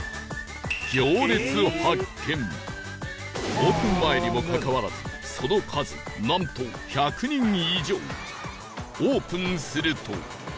オープン前にもかかわらずその数なんと１００人以上